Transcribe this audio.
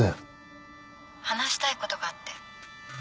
話したいことがあって。